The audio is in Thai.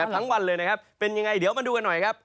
ทั้งวันเลยนะครับเป็นยังไงเดี๋ยวมาดูกันหน่อยครับ